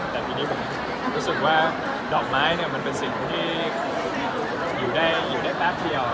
แต่ปีนี้ผมรู้สึกว่าดอกไม้มันเป็นสิ่งที่อยู่ได้แป๊บเดียว